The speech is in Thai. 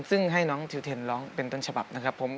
ซึ่งให้น้องทิวเทนร้องเป็นต้นฉบับนะครับผม